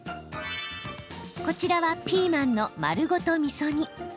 こちらはピーマンの丸ごとみそ煮。